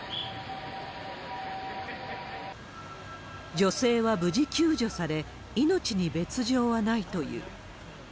女性は無事救助され、命に別状はないという。